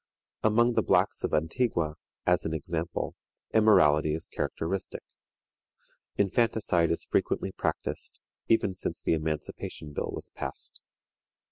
Among the blacks of Antigua, as an example, immorality is characteristic. Infanticide is frequently practiced, even since the Emancipation Bill was passed.